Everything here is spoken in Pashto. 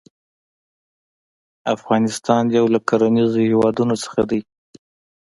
افغانستان يو له کرنيزو هيوادونو څخه دى.